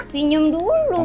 pinjam dulu ya